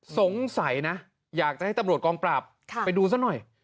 สงสัยนะอยากจะให้ตำรวจกองปราบไปดูซะหน่อย